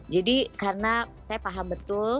karena saya paham betul